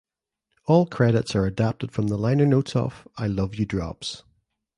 All credits are adapted from the liner notes of "I Love You Drops".